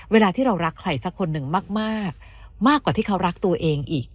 เวลาที่เรารักใครสักคนหนึ่งมากมากกว่าที่เขารักตัวเองอีก